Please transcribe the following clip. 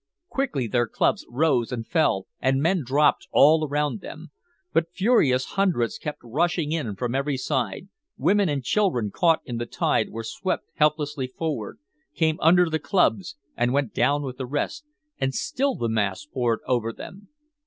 Quickly their clubs rose and fell, and men dropped all around them. But furious hundreds kept rushing in from every side, women and children caught in the tide were swept helplessly forward, came under the clubs and went down with the rest, and still the mass poured over them.